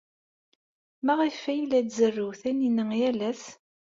Maɣef ay tzerrew Taninna yal ass?